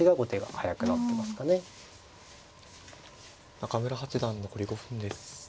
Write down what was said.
中村八段残り５分です。